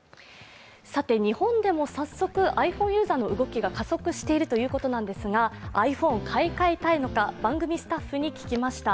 さて日本でも早速、ｉＰｈｏｎｅユーザーの動きが加速しているということですがｉＰｈｏｎｅ、買い替えたいのか番組スタッフに聞きました。